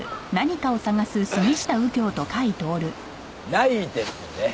ないですね。